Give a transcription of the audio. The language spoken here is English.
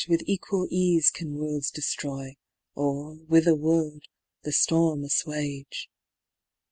With equal eafe can worlds deftroy. Or with a word, the ftorm afluage.